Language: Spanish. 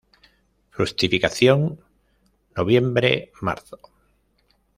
Fructificación nov.-mar.